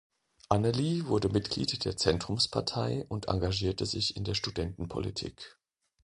Anneli wurde Mitglied der Zentrumspartei und engagierte sich in der Studentenpolitik.